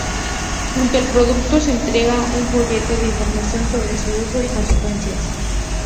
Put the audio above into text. Junto al producto, se entrega un folleto de información sobre su uso y consecuencias.